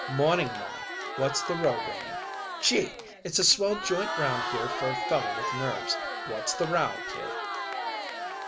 "Morning, ma. What's the row, Renie? Gee! it's a swell joint round here for a fellow with nerves! What's the row, kid?"